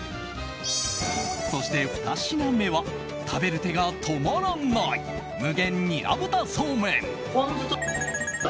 そして２品目は食べる手が止まらない無限ニラ豚そうめん。